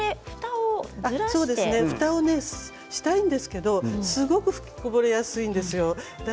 ふたをしたいんですけどすごく吹きこぼれやすいんですよ。